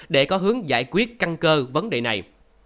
để có hướng giải quyết căng cơ vấn đề này